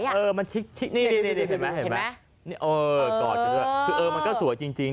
เห็นไหมเอ้อมันก็สวยจริง